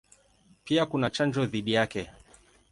Pia kuna chanjo dhidi yake.